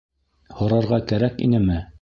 Һорарға кәрәк инеме?